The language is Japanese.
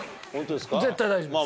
絶対大丈夫です。